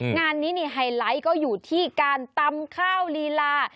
งานนี้ไฮไลท์ก็อยู่ที่การตำข้าวลีลา